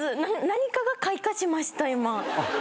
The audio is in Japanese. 何かが開花しました今。